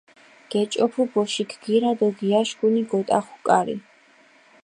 გეჭოფუ ბოშიქ გირა დო გიაშქუნი, გოტახუ კარი.